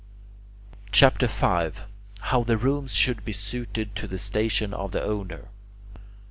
CHAPTER V HOW THE ROOMS SHOULD BE SUITED TO THE STATION OF THE OWNER 1.